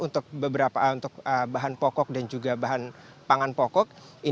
untuk beberapa bahan pokok dan juga bahan pangan pokok